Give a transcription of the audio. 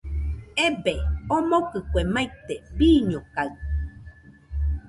Ebee, omokɨ kue maite, bɨñokaɨɨɨ